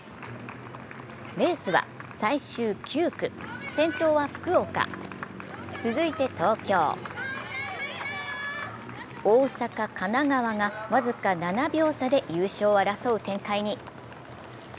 レースは最終９区、先頭は福岡、続いて東京、大阪、神奈川が僅か７秒差で優勝を争う展開に。